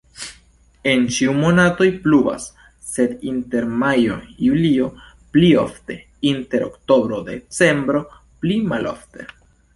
En ĉiuj monatoj pluvas, sed inter majo-julio pli ofte, inter oktobro-decembro pli malofte.